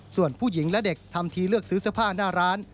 ส่วนผู้หญิงและเด็กทำทีเลือกซื้อเสื้อผ้าหน้าร้าน